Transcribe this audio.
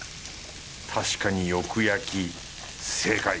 確かによく焼き正解！